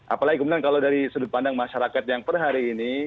apalagi kemudian kalau dari sudut pandang masyarakat yang per hari ini